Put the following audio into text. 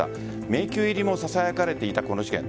迷宮入りもささやかれていたこの事件。